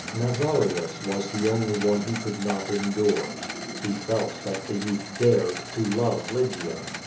Nazarius was the only one he could not endure. He felt that the youth dared to love Lygia.